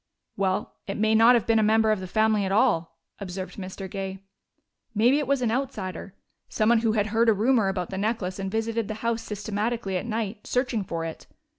"Well, it may not have been a member of the family at all," observed Mr. Gay. "Maybe it was an outsider, someone who had heard a rumor about the necklace and visited the house systematically at night, searching for it.